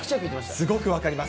すごく分かります。